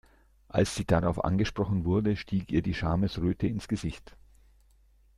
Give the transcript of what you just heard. Als sie darauf angesprochen wurde, stieg ihr die Schamesröte ins Gesicht.